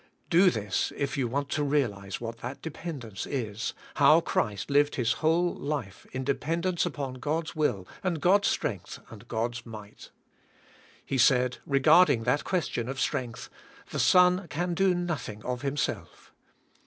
Do this if you want to realize what that dependence is, how Christ lived His whole life in dependence upon God's will and God's strength and God's might. He said, regarding that question of strength, "The Son can do nothing of Himself."